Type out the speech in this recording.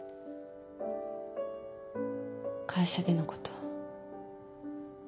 会社でのこと。